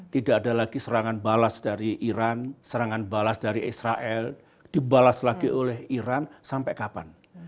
tidak ada lagi serangan balas dari iran serangan balas dari israel dibalas lagi oleh iran sampai kapan